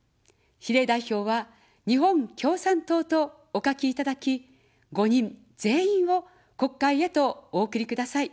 比例代表は日本共産党とお書きいただき、５人全員を国会へとお送りください。